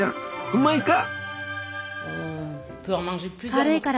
うまいか？